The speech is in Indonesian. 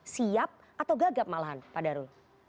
siap atau gagap malahan pak darul